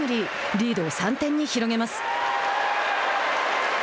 リードを３点に広げます。